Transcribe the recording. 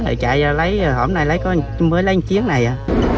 rồi chạy ra lấy hôm nay mới lấy một chiếc này à